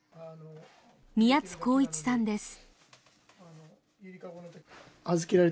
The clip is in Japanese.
宮津航一さんです